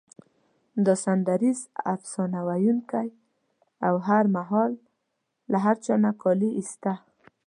دا سندریز افسانه ویونکی او هر مهال له هر چا نه کالي ایسته.